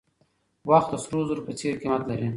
وخت د سرو زرو په څېر قیمت لري.